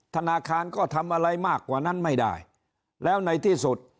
ธนาคารก็ทำอะไรมากกว่านั้นไม่ได้แล้วในที่สุด